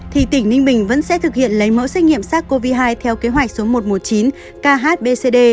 thì tỉnh ninh bình vẫn sẽ thực hiện lấy mẫu xét nghiệm sars cov hai theo kế hoạch số một trăm một mươi chín khbcd